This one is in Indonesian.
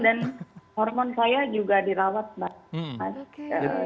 dan hormon saya juga dirawat mbak